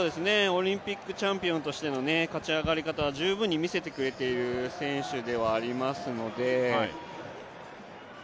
オリンピックチャンピオンとしての勝ち上がり方は十分に見せてくれている選手ではありますので。